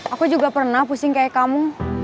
aku juga pernah pusing kayak kamu